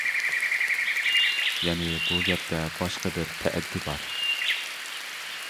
يەنى بۇ گەپتە باشقا بىر تەئەددى بار.